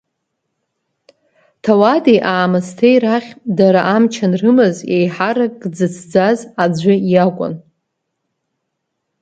Ҭауади-аамысҭеи рахь, дара амч анрымаз, еиҳарак дзыцӡаз аӡәы иакәын.